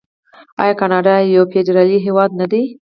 آیا کاناډا یو فدرالي هیواد نه دی؟